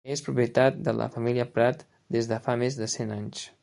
És propietat de la família Prat des de fa més de cent anys.